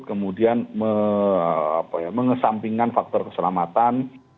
kemudian mengesampingkan faktor keselamatan